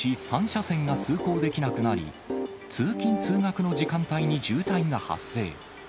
３車線が通行できなくなり、通勤・通学の時間帯に渋滞が発生。